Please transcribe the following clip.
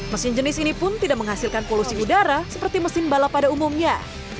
mesin jenis ini pun tidak menghasilkan polusi udara seperti mesin balap pada umumnya